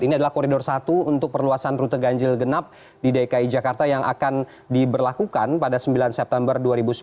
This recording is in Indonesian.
ini adalah koridor satu untuk perluasan rute ganjil genap di dki jakarta yang akan diberlakukan pada sembilan september dua ribu sembilan belas